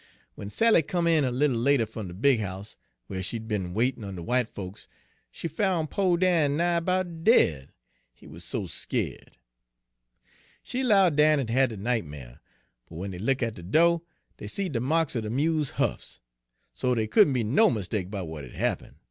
W'en Sally come in a little later fum de big house, whar she'd be'n waitin' on de w'ite folks, she foun' po' Dan nigh 'bout dead, he wuz so skeered. She 'lowed Dan had had de nightmare; but w'en dey look' at de do', dey seed de marks er de mule's huffs, Page 120 so dey couldn' be no mistake 'bout w'at had happen'.